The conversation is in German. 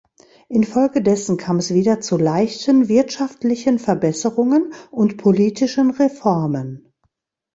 Infolgedessen kam es wieder zu leichten wirtschaftlichen Verbesserungen und politischen Reformen.